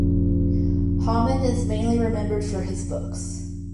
Hohman is mainly remembered for his books.